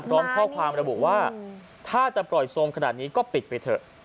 พร้อมข้อความระบุว่าถ้าจะปล่อยทรงขนาดนี้ก็ปิดไปเถอะ